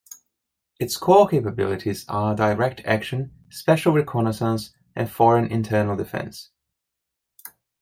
Its core capabilities are direct action, special reconnaissance and foreign internal defense.